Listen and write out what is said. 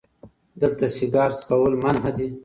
دلته سیګار څکول منع دي🚭